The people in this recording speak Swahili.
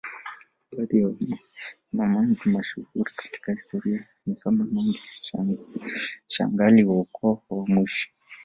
Baadhi ya Mamangi mashuhuri katika historia ni kama Mangi Shangali wa ukoo wa Mushi